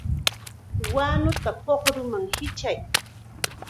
¡Wanuta pukruman hichay!